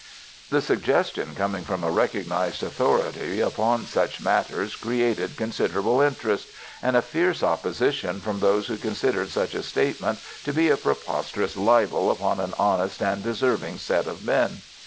The suggestion coming from a recognized authority upon such matters created considerable interest, and a fierce opposition from those who considered such a statement to be a preposterous libel upon an honest and deserving set of men.